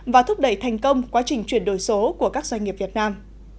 và thúc đẩy thành công quá trình chuyển đổi số của các doanh nghiệp việt nam